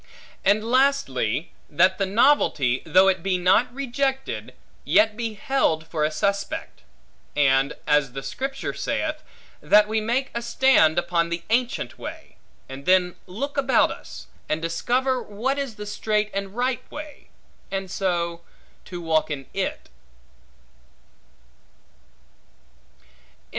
And lastly, that the novelty, though it be not rejected, yet be held for a suspect; and, as the Scripture saith, that we make a stand upon the ancient way, and then look about us, and discover what is the straight and right way, and so to walk in it.